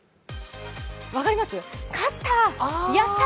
分かります？